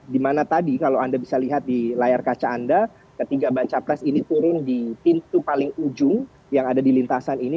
di mana tadi kalau anda bisa lihat di layar kaca anda ketiga banca pres ini turun di pintu paling ujung yang ada di lintasan ini